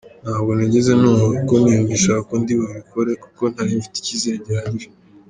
Ntabwo nigeze ntungurwa kuko niyumvishaga ko ndi bubikore kuko nari mfite ikizere gihagije.